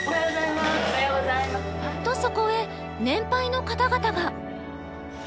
とそこへ年配の方々が。